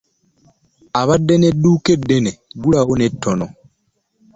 Abadde ne dduuka eddene ggulawo ne tono.